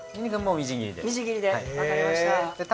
みじん切りでわかりました。